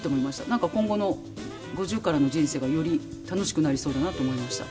何か今後の５０からの人生がより楽しくなりそうだなと思いました。